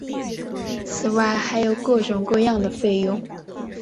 此外还有各种各样的费用。